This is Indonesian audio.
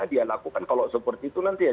dia lakukan kalau seperti itu nanti